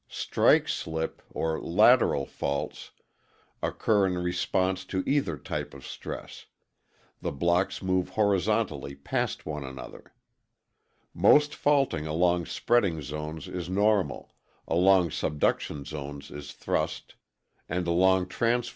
Strike slip (lateral) faults occur in response to either type of stress; the blocks move horizontally past one another. Most faulting along spreading zones is normal, along subduction zones is thrust, and along transform faults is strike slip.